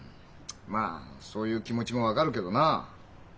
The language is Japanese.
まあそういう気持ちも分かるけどな。